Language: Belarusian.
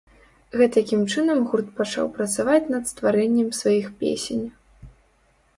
Гэтакім чынам гурт пачаў працаваць над стварэннем сваіх песень.